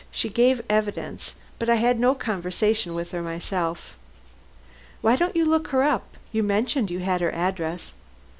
She gave evidence. But I had no conversation with her myself." "Why don't you look her up? You mentioned you had her address."